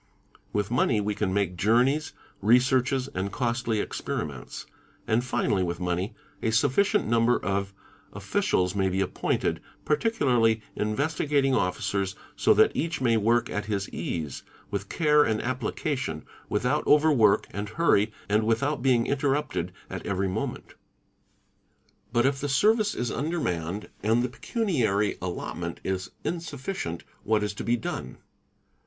With money, we can make journeys, researches, and costly experiments. And finally with money, a sufficient number of officials may be appointed, particularly Investigating Officers, so that each may work at his ease, with care and application, without overwork | and hurry and without being interrupted at every moment. T But if the service is undermanned and the pecuniary allotment is— insufficient, what is to be done?